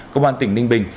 công an tỉnh ninh bình